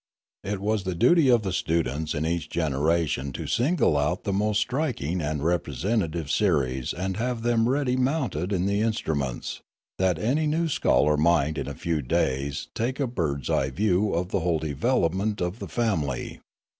It was the duty of the students in each genera tion to single out the most striking and representative series and have them ready mounted in the instruments, that any new scholar might in a few days take a bird's eye view of the whole development of the family.